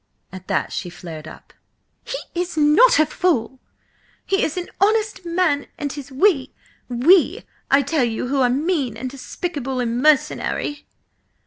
At that she flared up. "He is not a fool! He is an honest man, and 'tis we–we, I tell you–who are mean and despicable and mercenary!"